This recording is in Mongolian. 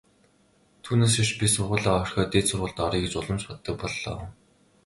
Түүнээс хойш би сургуулиа орхиод дээд сургуульд оръё гэж улам ч боддог боллоо.